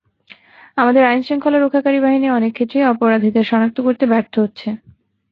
আমাদের আইনশৃঙ্খলা রক্ষাকারী বাহিনী অনেক ক্ষেত্রেই অপরাধীদের শনাক্ত করতে ব্যর্থ হচ্ছে।